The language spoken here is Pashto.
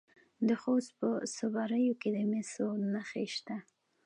د خوست په صبریو کې د مسو نښې شته.